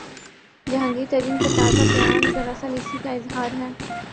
جہانگیر ترین کا تازہ بیان دراصل اسی کا اظہار ہے۔